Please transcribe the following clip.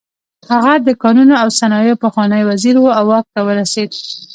هغه د کانونو او صنایعو پخوانی وزیر و او واک ته ورسېد.